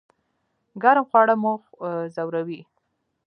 ګرم خواړه مو ځوروي؟